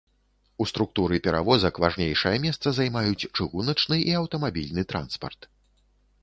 У структуры перавозак важнейшае месца займаюць чыгуначны і аўтамабільны транспарт.